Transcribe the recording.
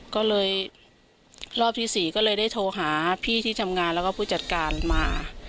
ก็เลยรอบที่๔ก็เลยได้โทรหาพี่ที่ทำงานแล้วก็ผู้จัดการมา